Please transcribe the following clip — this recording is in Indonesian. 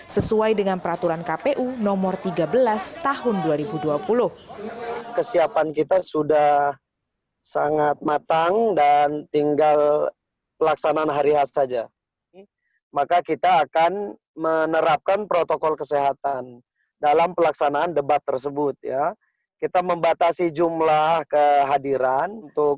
sesuai dengan peraturan kpu nomor tiga belas tahun dua ribu dua puluh